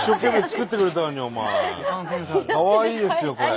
かわいいですよこれ。